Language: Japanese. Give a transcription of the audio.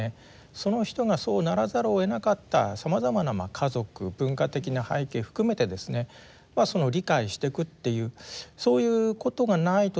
その人がそうならざるをえなかったさまざまな家族文化的な背景含めてですね理解してくっていうそういうことがないとですね